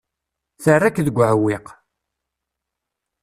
Terra-k deg uɛewwiq.